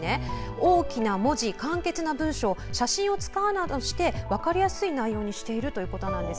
大きな文字に簡潔な文章そして写真を使うなどして分かりやすい内容にしているということです。